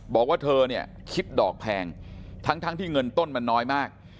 บอกว่าเธอเนี่ยคิดดอกแพงทั้งที่เงินต้นมันน้อยมาก